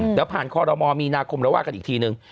เดี๋ยวผ่านคอรมอลมีนาคมแล้วว่ากันอีกทีนึง